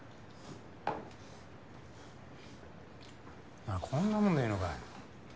お前こんなもんでいいのか。